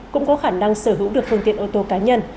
cũng có khả năng sở hữu được phương tiện ô tô cá nhân